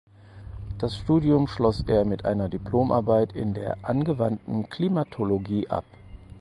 Das Studium schloss er mit einer Diplomarbeit in der angewandten Klimatologie ab.